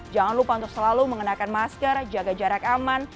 jangan lupa untuk selalu mengenakan masker jaga jarak aman